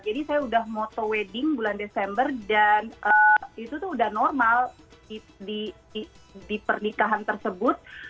jadi saya udah moto wedding bulan desember dan itu tuh udah normal di pernikahan tersebut